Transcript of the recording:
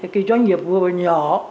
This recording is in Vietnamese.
cho doanh nghiệp vừa nhỏ